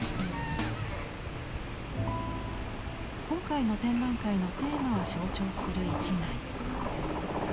今回の展覧会のテーマを象徴する一枚。